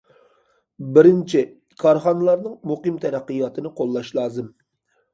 بىرىنچى، كارخانىلارنىڭ مۇقىم تەرەققىياتىنى قوللاش لازىم.